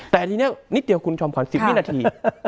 แต่ทีนี้นิดเดียวคุณชอบขอ๑๐นิดนาที